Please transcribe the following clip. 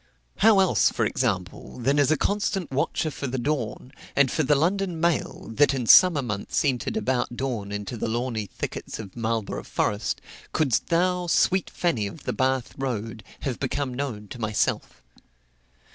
How else, for example, than as a constant watcher for the dawn, and for the London mail that in summer months entered about dawn into the lawny thickets of Marlborough Forest, couldst thou, sweet Fanny of the Bath road, have become known to myself?